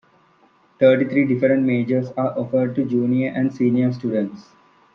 Thirty-three different majors are offered to junior and senior students.